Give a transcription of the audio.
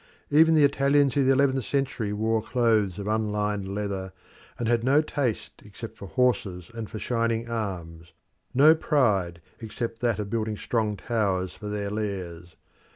Even the Italians of the eleventh century wore clothes of unlined leather, and had no taste except for horses and for shining arms, no pride except that of building strong towers for their lairs.